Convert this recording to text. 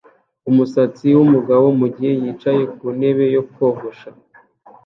umusatsi wumugabo mugihe yicaye ku ntebe yo kogosha